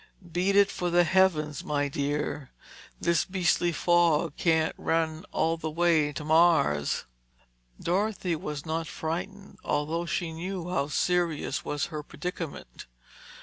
Beat it for the heavens, my dear. This beastly fog can't run all the way to Mars!" Dorothy was not frightened, although she knew how serious was her predicament.